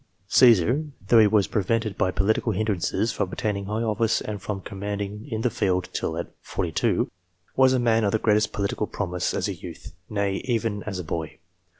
Csesar, though he was prevented by political hindrances from obtaining high office and from commanding in the field till set. 42, was a. man of the greatest political promise as a youth ; nay, even as a boy.